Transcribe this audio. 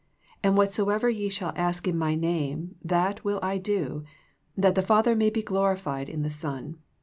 And whatsoever ye shall ask in My name, that will I do, that the Father may be glorified in the Son.